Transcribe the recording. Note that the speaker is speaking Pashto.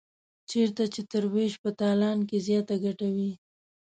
چېرته چې تر وېش په تالان کې زیاته ګټه وي.